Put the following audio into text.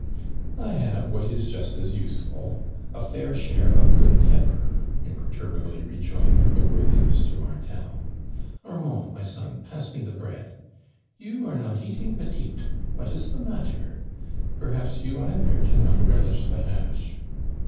" 1 have what is just as useful — a fair share of good temper," imperturbably rtjomed the worthy Mr. Martel. "Ar mand, my son, pasa me the bread. You are not eating, petite ; what Lh the matter ? rerh'^ps you, either, cannot relish the ha<.li."